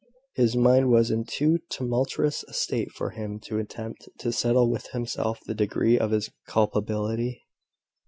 His mind was in too tumultuous a state for him to attempt to settle with himself the degree of his culpability.